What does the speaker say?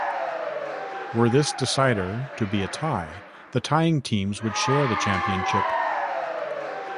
Were this decider to be a tie, the tying teams would share the championship.